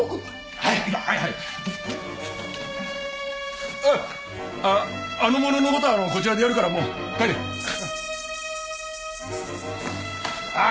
はいはいあぁあの者のことはこちらでやるからもう帰れあぁ